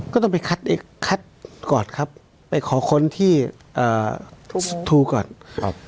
ก็ต้องไปคัดก่อนครับไปขอคนที่ทูก่อนครับ